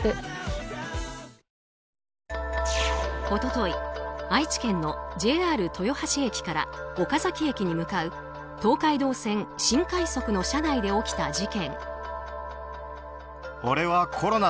一昨日愛知県のＪＲ豊橋駅から岡崎駅に向かう東海道線新快速の車内で起きた事件。